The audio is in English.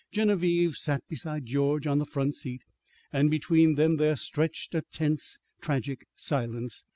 Genevieve sat beside George on the front seat, and between them there stretched a tense, tragic silence.